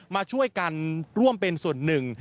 มาช่วยกันร่วมเป็นส่วนหนึ่ง